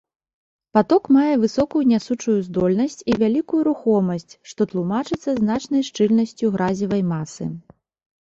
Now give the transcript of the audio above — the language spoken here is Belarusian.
Паток мае высокую нясучую здольнасць і вялікую рухомасць, што тлумачыцца значнай шчыльнасцю гразевай масы.